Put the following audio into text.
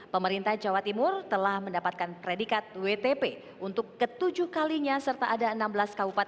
pemerintah jawa timur telah mendapatkan predikat wtp untuk ketujuh kalinya serta ada enam belas kabupaten dan empat kota yang sudah berpredikat wtp